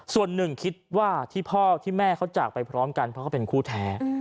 ส่วนหนึ่งคิดว่าที่พ่อที่แม่เขาจากไปพร้อมกันเพราะเขาเป็นคู่แท้